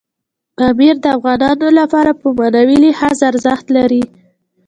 پامیر د افغانانو لپاره په معنوي لحاظ ارزښت لري.